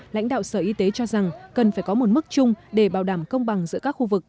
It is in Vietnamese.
lãnh đạo sở y tế cho rằng cần phải có một mức chung để bảo đảm công bằng giữa các khu vực